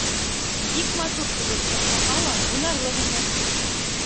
Бик матур килеп сыҡмаһа ла, уйнарлыҡ ине.